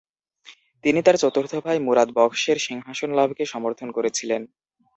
তিনি তার চতুর্থ ভাই মুরাদ বখশের সিংহাসন লাভকে সমর্থন করেছিলেন।